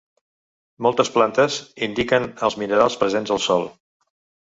Moltes plantes indiquen els minerals presents al sòl.